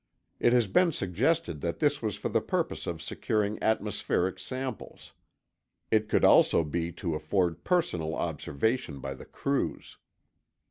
It has been suggested that this was for the purpose of securing atmospheric samples. It could also be to afford personal observation by the crews.